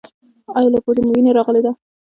ایا له پوزې مو وینه راغلې ده؟